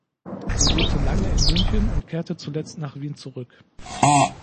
Sie lebte lange in München und kehrte zuletzt nach Wien zurück.